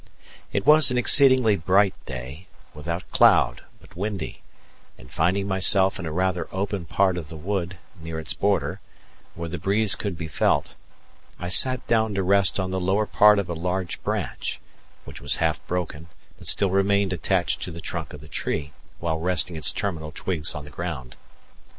It was an exceedingly bright day, without cloud, but windy, and finding myself in a rather open part of the wood, near its border, where the breeze could be felt, I sat down to rest on the lower part of a large branch, which was half broken, but still remained attached to the trunk of the tree, while resting its terminal twigs on the ground.